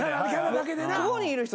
ここにいる人